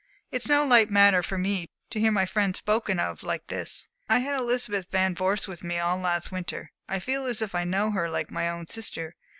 "It's no light matter for me to hear my friend spoken of like this. I had Elizabeth Van Vorst with me all last winter, I feel as if I knew her like my own sister.